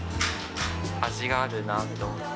味があるなと思って。